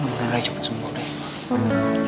makanya raya cepet sembuh deh